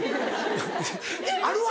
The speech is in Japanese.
あるわ！